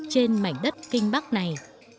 trên mảnh đất kinh bắc này